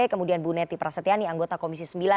kemudian bu neti prasetyani anggota komisi sembilan